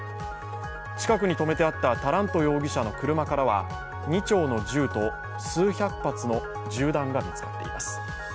近くに止めてあったタラント容疑者の車からは２丁の銃と数百発の銃弾が見つかっています。